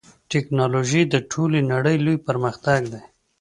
ټکنالوژي د ټولې نړۍ لوی پرمختګ دی.